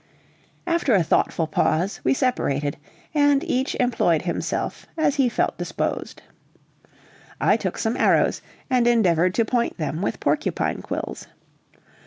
After a thoughtful pause, we separated, and each employed himself as he felt disposed. I took some arrows and endeavored to point them with porcupine quills.